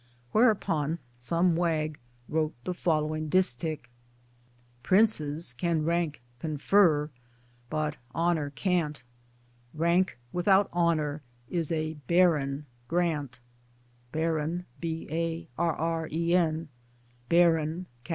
Where upon some wag wrote the following distich : Princes can Rank confer, but Honour can't ; Rank without honour is a barren (Baron) grant.